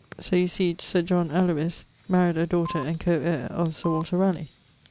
So you see Sir John Elowys married a daughter and co heire of Sir Walter Raleigh.